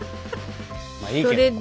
まあいいけど。